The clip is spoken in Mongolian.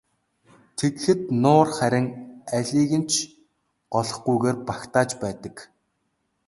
Тэгэхэд нуур харин алиныг нь ч голохгүйгээр багтааж байдаг.